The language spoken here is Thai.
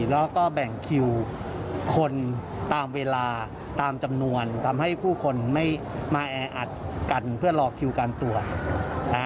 แล้วก็แบ่งคิวคนตามเวลาตามจำนวนทำให้ผู้คนไม่มาแออัดกันเพื่อรอคิวการตรวจนะฮะ